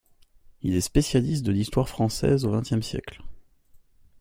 Il est spécialiste de l'histoire française au vingtième siècle.